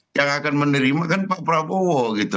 yang akan menerima kan pak prabowo gitu